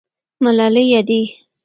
ملالۍ یادېږي.